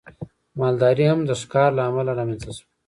مالداري هم د ښکار له امله رامنځته شوه.